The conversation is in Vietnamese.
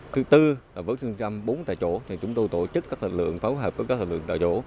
thứ tư là với chương trình bốn tại chỗ chúng tôi tổ chức các lực lượng phối hợp với các lực lượng tại chỗ